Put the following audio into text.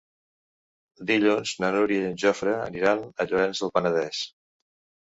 Dilluns na Núria i en Jofre aniran a Llorenç del Penedès.